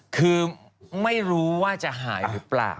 คือไม่รู้ว่าจะหายหรือเปล่า